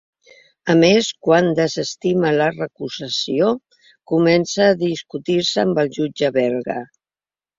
A més, quan desestima la recusació comença a discutir-se amb el jutge belga.